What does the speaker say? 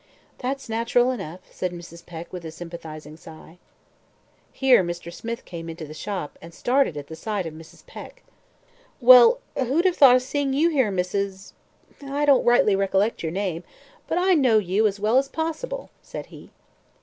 "That's natural enough," said Mrs. Peck with a sympathizing sigh. Here Mr. Smith came into the shop, and started at the sight of Mrs. Peck. "Well! who'd have thought of seeing you here, Mrs.? I don't rightly recollect your name, but I know you as well as possible," said he.